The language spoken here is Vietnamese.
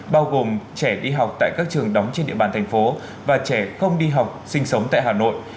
bao gồm trẻ đi học tại các trường đóng trên địa bàn thành phố và trẻ không đi học sinh sống tại hà nội